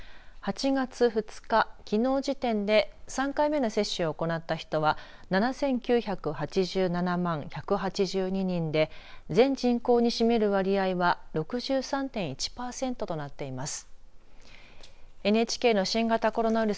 ８月２日、きのう時点で３回目の接種を行った人は７９８７万１８２人で全人口に占める割合は６３．１パーセントとなっています。